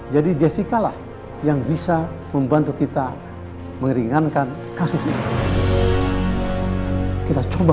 jadi jessica lah yang bisa membantu kita meringankan kasus kita coba